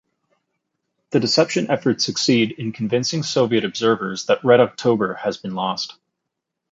The deception efforts succeed in convincing Soviet observers that "Red October" has been lost.